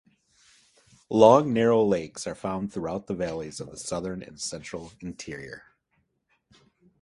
Long, narrow lakes are found throughout the valleys of the Southern and Central Interior.